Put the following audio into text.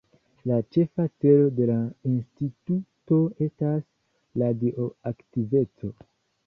La ĉefa celo de la Instituto estas radioaktiveco.